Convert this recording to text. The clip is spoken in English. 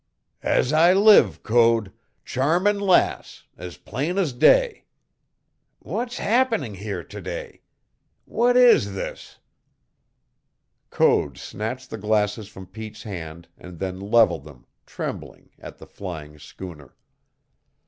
"As I live, Code. Charming Lass, as plain as day! What's happening here to day? What is this?" Code snatched the glasses from Pete's hand and then leveled them, trembling, at the flying schooner.